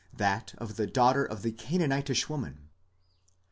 that of the daughter of the Canaanitish woman.